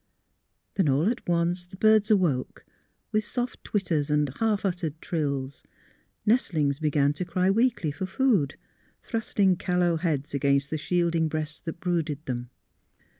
Then all at once the birds awoke, with soft twitters and half uttered trills; nestlings began to cry weakly for food, thrusting callow heads against the shielding breasts that brooded them.